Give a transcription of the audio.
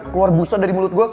keluar busa dari mulut gue